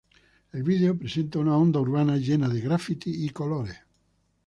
El video presenta una onda urbana, llena de grafitis y colores.